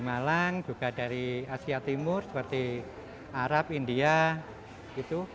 malang juga dari asia timur seperti arab india gitu